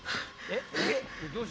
えっ⁉